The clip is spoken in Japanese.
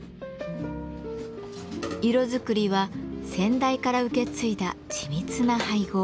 色作りは先代から受け継いだ緻密な配合。